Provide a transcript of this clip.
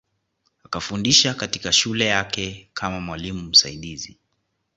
Akafundisha katika shule yake kama mwalimu msaidizi